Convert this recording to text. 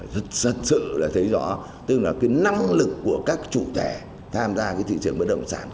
thật sự là thấy rõ tức là cái năng lực của các chủ thể tham gia cái thị trường bất động sản